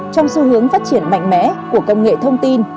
trong xu hướng phát triển mạnh mẽ của công nghệ thông tin